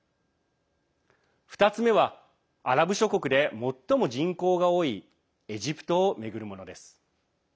２つ目は、アラブ諸国で最も人口が多いエジプトを巡るものです。